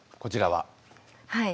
はい。